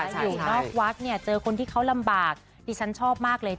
อยู่นอกวัดเนี่ยเจอคนที่เขาลำบากดิฉันชอบมากเลย